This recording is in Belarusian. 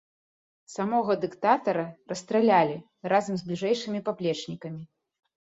Самога дыктатара расстралялі разам з бліжэйшымі паплечнікамі.